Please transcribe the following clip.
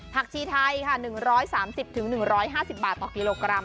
ชีไทยค่ะ๑๓๐๑๕๐บาทต่อกิโลกรัม